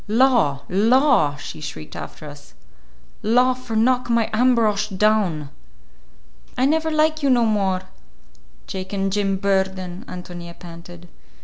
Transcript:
"Law, law!" she shrieked after us. "Law for knock my Ambrosch down!" "I never like you no more, Jake and Jim Burden," Ántonia panted.